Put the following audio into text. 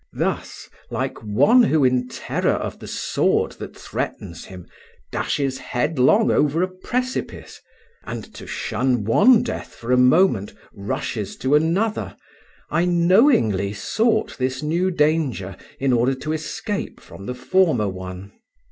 Thus, like one who in terror of the sword that threatens him dashes headlong over a precipice, and to shun one death for a moment rushes to another, I knowingly sought this new danger in order to escape from the former one.